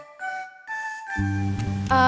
masuk dulu makan